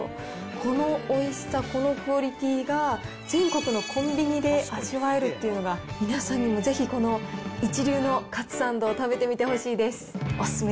このおいしさ、このクオリティーが、全国のコンビニで味わえるというのが、皆さんにもぜひ、この一流のカツサンドを食べてみてほしいです。